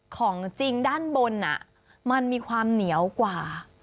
ของจริงด้านบนมันมีความเหนียวกว่า